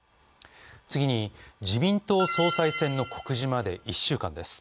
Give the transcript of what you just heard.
自民党総裁選の告示まで１週間です。